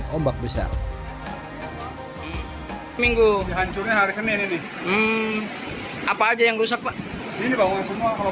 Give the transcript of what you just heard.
ombak besar minggu hancurnya hari senin ini apa aja yang rusak pak ini bangun semua kalau